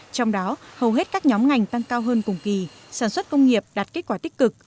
trong đó hầu hết các nhóm ngành tăng cao hơn cùng kỳ sản xuất công nghiệp đạt kết quả tích cực